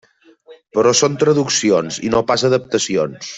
Però són traduccions i no pas adaptacions.